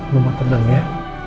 mama tenang ya